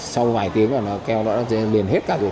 sau vài tiếng rồi keo nó đã liền hết cả rồi